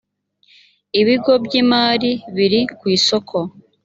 ibigo by imari biri ku isoko